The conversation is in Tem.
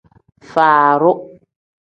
Furuu.